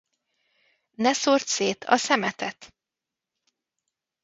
Ne szórd szét a szemetet!